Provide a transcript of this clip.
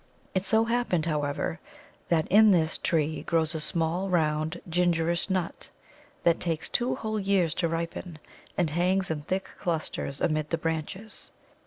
It so happened, however, that in this tree grows a small, round, gingerish nut that takes two whole years to ripen, and hangs in thick clusters amid the branches.